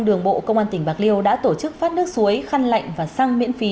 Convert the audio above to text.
đường bộ công an tỉnh bạc liêu đã tổ chức phát nước suối khăn lạnh và xăng miễn phí